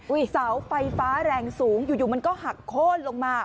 เสาไฟฟ้าแรงสูงอยู่มันก็หักโค้นลงมา